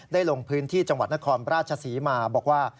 ลงพื้นที่จังหวัดนครราชศรีมาบอกว่า